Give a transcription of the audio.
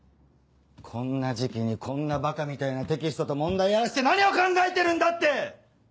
こんな時期にこんなバカみたいなテキストと問題やらせて何を考えてるんだって！